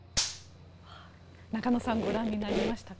中野さんご覧になりましたか？